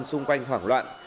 xung quanh hoảng loạn